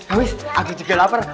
awis aku juga lapar